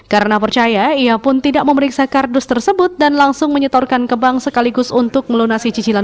karena percaya ia pun tidak memeriksa kardus tersebut dan langsung menyetorkan ke bank sekaligus untuk melunasi cicilan